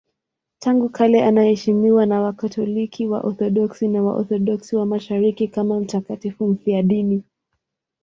Tangu kale anaheshimiwa na Wakatoliki, Waorthodoksi na Waorthodoksi wa Mashariki kama mtakatifu mfiadini.